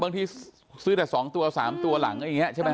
บางทีซื้อแต่๒ตัว๓ตัวหลังอย่างนี้ใช่ไหม